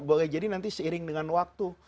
boleh jadi nanti seiring dengan waktu